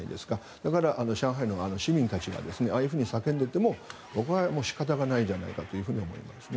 だから上海の市民たちがああいうふうに叫んでいても僕は仕方がないじゃないかと思いますね。